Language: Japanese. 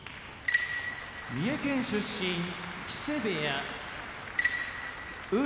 三重県出身木瀬部屋宇良